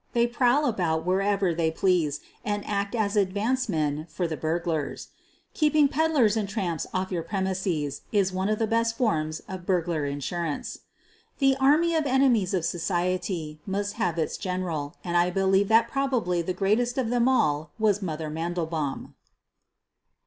They prowl about wherever they QUEEN OF THE BURGLARS 193 please and act as advance men for the burglars. Keeping peddlers and tramps off your premises is one of the best forms of burglar insurance. The army of enemies of society must have its gen eral, and I believe that probably the greatest of them all was "Mother" Mandelbaum.